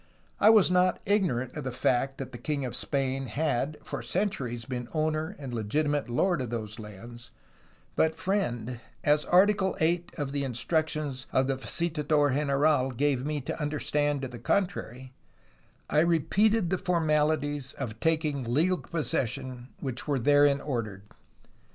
I was not ignorant of the fact that the king of Spain had for centuries been owner and legitimate lord of those lands, but, friend, as arti cle eight of the instructions of the visitador general gave me to understand to the contrary, I repeated the formalities of taking legal possession which were therein ordered.